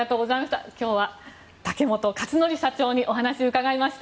今日は竹本勝紀社長にお話を伺いました。